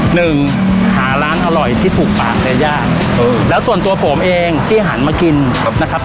หนึ่งหาร้านอร่อยที่ถูกปากแทนยากแล้วส่วนตัวผมเองที่หันมากินนะครับ